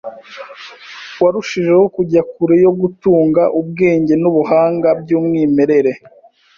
warushijeho kujya kure yo kutunga, ubwenge n’ubuhanga by’umwimerere